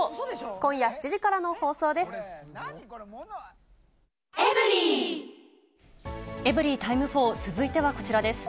今夜７時からの放送です。